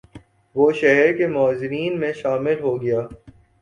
وہ شہر کے معززین میں شامل ہو گیا